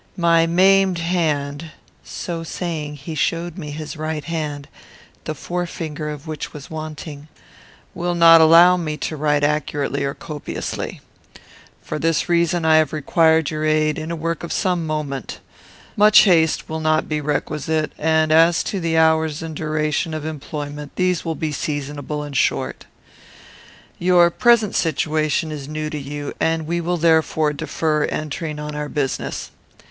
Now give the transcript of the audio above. My maimed hand" (so saying, he showed me his right hand, the forefinger of which was wanting) "will not allow me to write accurately or copiously. For this reason I have required your aid, in a work of some moment. Much haste will not be requisite, and, as to the hours and duration of employment, these will be seasonable and short. "Your present situation is new to you, and we will therefore defer entering on our business.